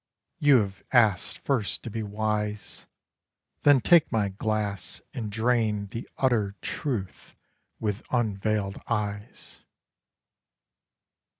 You have asked first to be wise Then take my glass And drain the utter truth with unveiled eyes.